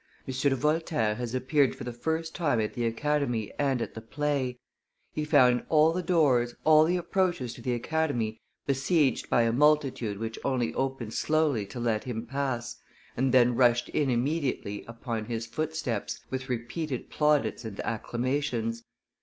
de Voltaire has appeared for the first time at the Academy and at the play; he found all the doors, all the approaches to the Academy besieged by a multitude which only opened slowly to let him, pass and then rushed in immediately upon his footsteps with repeated plaudits and acclamations.